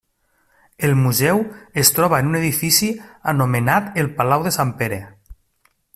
El museu es troba en un edifici anomenat el Palau de Sant Pere.